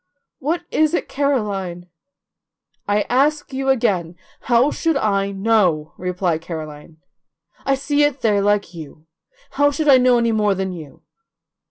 What is it, Caroline?" "I ask you again, how should I know?" replied Caroline. "I see it there like you. How should I know any more than you?"